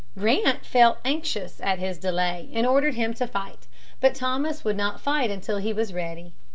Grant felt anxious at his delay and ordered him to fight. But Thomas would not fight until he was ready.